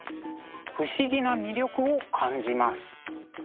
不思議な魅力を感じます。